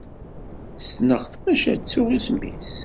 Ssneɣ-t maca ttuɣ isem-is.